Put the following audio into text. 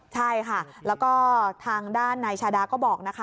ใช่ค่ะแล้วก็ทางด้านนายชาดาก็บอกนะคะ